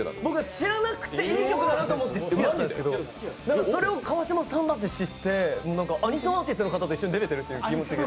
知らなくていい曲だなと思って聴いてて、それで川島さんだと知ってアニソンアーティストの方と一緒に出れているという気持ちが